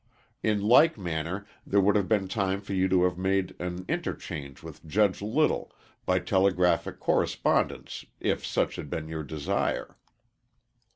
In like manner there would have been time for you to have made an interchange with Judge Little, by telegraphic correspondence, if such had been your desire.